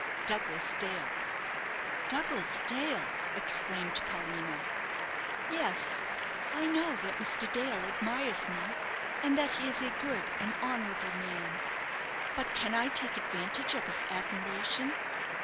"Douglas Dale." "Douglas Dale!" exclaimed Paulina. "Yes, I know, that Mr. Dale admires me, and that he is a good and honourable man; but can I take advantage of his admiration?